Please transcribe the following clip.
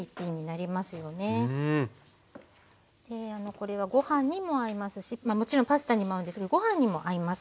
これはご飯にも合いますしもちろんパスタにも合うんですがご飯にも合います。